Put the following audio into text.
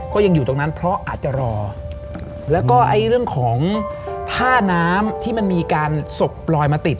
ก็ยังอยู่ตรงนั้นเพราะอาจจะรอแล้วก็ไอ้เรื่องของท่าน้ำที่มันมีการศพลอยมาติด